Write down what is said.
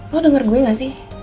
lo denger gue gak sih